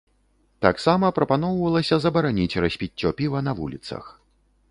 Таксама прапаноўвалася забараніць распіццё піва на вуліцах.